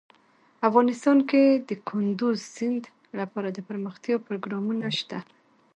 افغانستان کې د کندز سیند لپاره دپرمختیا پروګرامونه شته.